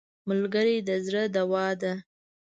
ملګری د زړه دوا ده